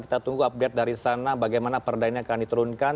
kita tunggu update dari sana bagaimana perda ini akan diturunkan